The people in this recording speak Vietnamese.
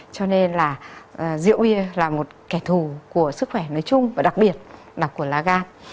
cho nên là rượu bia là một kẻ thù của sức khỏe nói chung và đặc biệt là của lá gan